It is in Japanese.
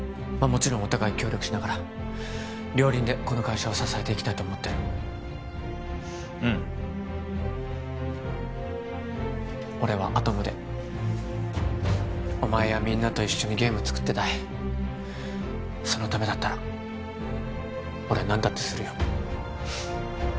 もちろんお互い協力しながら両輪でこの会社を支えていきたいと思ってるうん俺はアトムでお前やみんなと一緒にゲーム作っていたいそのためだったら俺何だってするよ